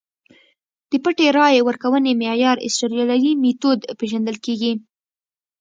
د پټې رایې ورکونې معیار اسټرالیايي میتود پېژندل کېږي.